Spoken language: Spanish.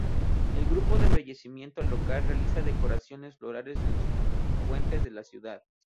El grupo de embellecimiento local realiza decoraciones florales en los puentes de la ciudad.